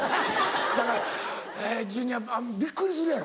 だからジュニアびっくりするやろ？